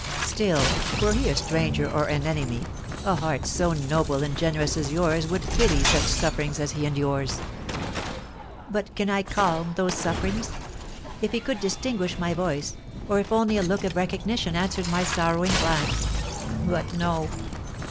"Still, were he a stranger or an enemy, a heart so noble and generous as yours would pity such sufferings as he endures?" "But can I calm those sufferings? If he could distinguish my voice, or if only a look of recognition answered my sorrowing glance! But no.